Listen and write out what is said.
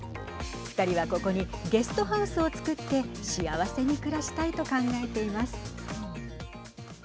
２人はここにゲストハウスを作って幸せに暮らしたいと考えています。